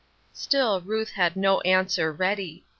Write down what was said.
" Still Ruth had no answer ready.